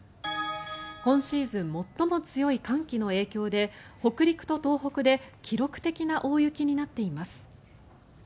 今シーズン最も強い寒気の影響で北陸と東北で記録的な大雪になっています。